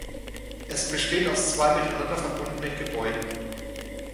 Es besteht aus zwei miteinander verbundenen Gebäuden.